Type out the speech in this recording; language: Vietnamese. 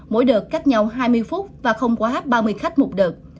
mỗi đợt cách nhau hai mươi phút và không quá ba mươi khách một đợt